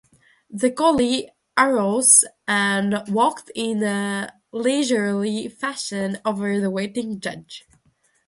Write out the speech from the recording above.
The collie arose and walked in a leisurely fashion over to the waiting judge.